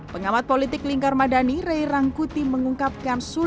pengamat politik lingkar madani ray rangkuti mengungkapkan